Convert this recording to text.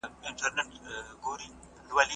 زه پرون سفر کوم!؟